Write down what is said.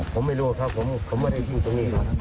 อ้อผมไม่รู้ครับผมผมไม่ได้คืนตรงนี้